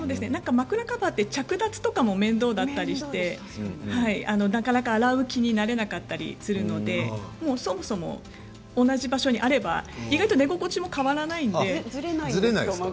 枕カバーの着脱も面倒で洗う気にならなかったりするのでそもそも同じ場所にあれば意外と寝心地も変わらないです。